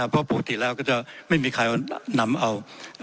เพราะปกติแล้วก็จะไม่มีใครนำเอา